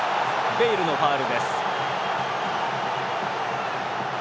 ベイルのファウルです。